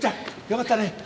よかった。